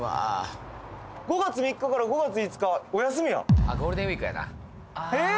５月３日から５月５日お休みやゴールデンウイークやなええー？